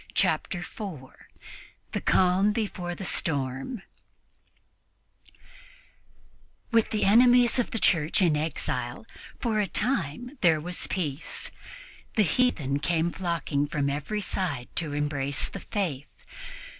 Chapter 4 THE CALM BEFORE THE STORM WITH the enemies of the Church in exile, for a time there was peace. The heathen came flocking from every side to embrace the Faith.